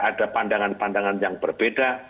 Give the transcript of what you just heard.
ada pandangan pandangan yang berbeda